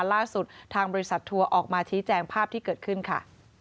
ล่าสุดทางบริษัททัวร์ออกมาชี้แจงภาพที่เกิดขึ้นค่ะ